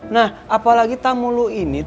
nah apalagi tamu lo ini